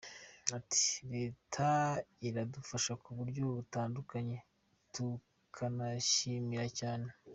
Ati “Leta iradufasha mu buryo butandukanye tukanayishimira cyane.